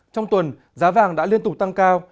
trong tuần giá vàng đã liên tục tăng cao